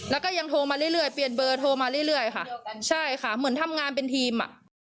แล้วก็ยังโทรมาเรื่อยเปลี่ยนเบอร์โทรมาเรื่อยค่ะใช่ค่ะเหมือนทำงานเป็นทีมอ่ะ